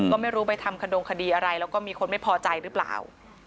ก็ไม่รู้ไปทำขดงคดีอะไรแล้วก็มีคนไม่พอใจหรือเปล่า